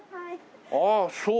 ああそう。